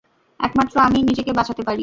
একমাত্র আমিই নিজেকে বাঁচাতে পারি।